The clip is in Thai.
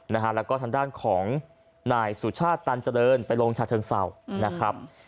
แล้วก็ทางด้านของนายสุชาติตันเจริญไปลงชาเชิงเศร้านะครับ